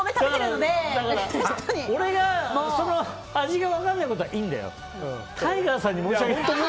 俺が味が分からないことはいいんだよ。